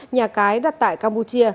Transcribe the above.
nhà cái đặt tại campuchia